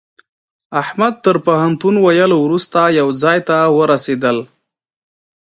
احمد تر پوهنتون ويلو روسته يوه ځای ته ورسېدل.